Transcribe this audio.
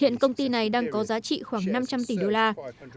hiện công ty này đang có giá trị khoảng năm trăm linh tỷ đô la